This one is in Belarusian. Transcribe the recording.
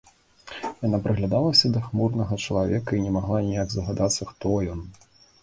Яна прыглядалася да хмурнага чалавека і не магла ніяк здагадацца, хто ён.